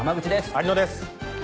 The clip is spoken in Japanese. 有野です。